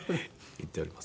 行っております。